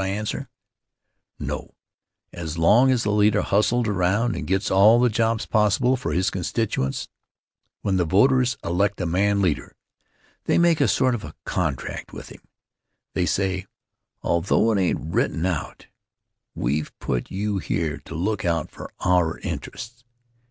I answer: "No; as long as the leader hustles around and gets all the jobs possible for his constituents." When the voters elect a man leader, they make a sort of a contract with him. They say, although it ain't written out: "We've put you here to look out for our Interests.